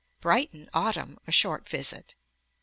Brighton, autumn; a short visit.